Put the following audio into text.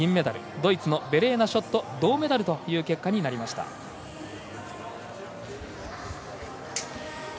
ドイツのベレーナ・ショット銅メダルという結果になりました。